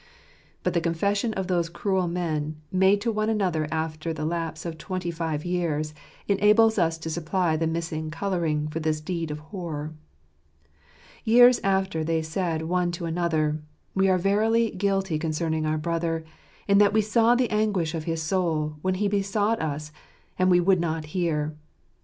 But the confession of those cruel men, made to one another after the lapse of twenty five years, enables us to supply the missing colour ing for this deed of horror. Years after they said one to another, "We are verily guilty concerning our brother, in that we saw the anguish of his soul, when he besought us and we would not hear."